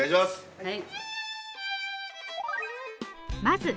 はい。